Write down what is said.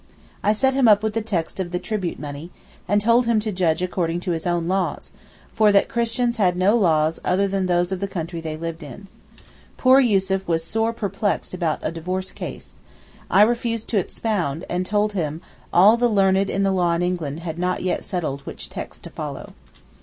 I set him up with the text of the tribute money, and told him to judge according to his own laws, for that Christians had no laws other than those of the country they lived in. Poor Yussuf was sore perplexed about a divorce case. I refused to 'expound,' and told him all the learned in the law in England had not yet settled which text to follow.